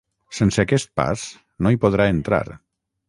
Sense aquest pas, no hi podrà entrar.